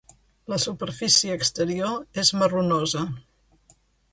La superfície exterior és marronosa.